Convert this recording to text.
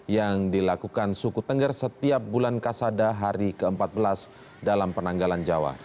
yang dilakukan suku tengger setiap bulan kasada hari ke empat belas dalam penanggalan jawa